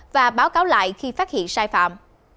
và báo cáo lại khi phát hiện sai phạm